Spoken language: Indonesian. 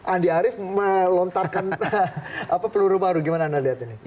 andi arief melontarkan peluru baru gimana anda lihat ini